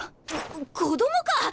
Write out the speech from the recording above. こ子供か！